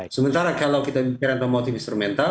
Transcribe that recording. sementara kalau kita bicara tentang motif instrumental